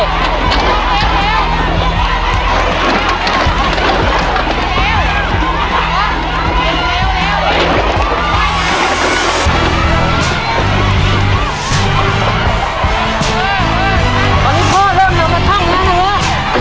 ตอนนี้พ่อเริ่มเอามาช่องอยู่ในเหนือ